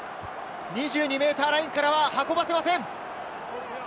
２２ｍラインからは運ばせません。